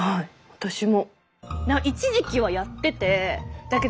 私も。